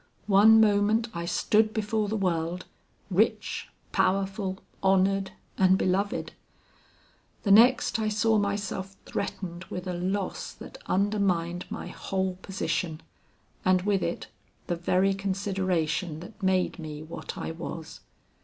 One moment I stood before the world, rich, powerful, honored, and beloved; the next, I saw myself threatened with a loss that undermined my whole position, and with it the very consideration that made me what I was.